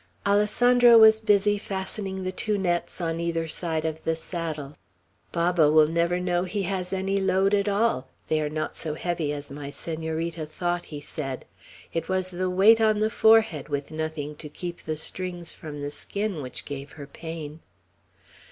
Alessandro was busy, fastening the two nets on either side of the saddle. "Baba will never know he has a load at all; they are not so heavy as my Senorita thought," he said. "It was the weight on the forehead, with nothing to keep the strings from the skin, which gave her pain."